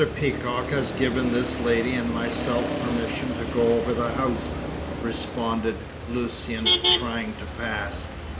Peacock has given this lady and myself permission to go over the house," responded Lucian, trying to pass.